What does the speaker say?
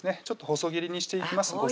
ちょっと細切りにしていきます